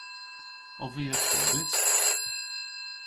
Ov vy akordys?